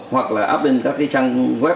hoặc là up lên các trang web